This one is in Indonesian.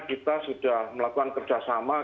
kita sudah melakukan kerjasama